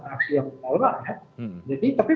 aksi yang tolak ya tapi